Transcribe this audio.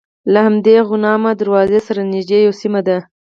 له همدې غوانمه دروازې سره نژدې یوه سیمه ده.